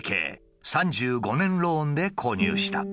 ３５年ローンで購入した。